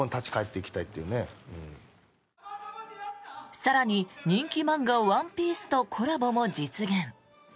更に人気漫画「ＯＮＥＰＩＥＣＥ」とコラボも実現。